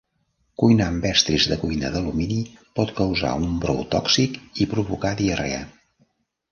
Cuinar amb estris de cuina d'alumini pot causar un brou tòxic i provocar diarrea.